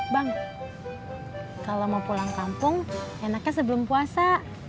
bang kalau mau pulang kampung enaknya sebelum puasa